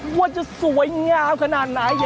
ว่าจะสวยงามขนาดไหน